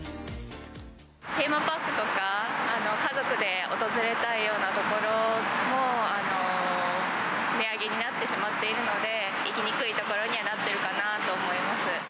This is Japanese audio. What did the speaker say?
テーマパークとか、家族で訪れたいような所も、値上げになってしまっているので、行きにくいところにはなってるかなと思います。